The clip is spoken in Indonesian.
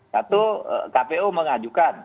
satu kpu mengajukan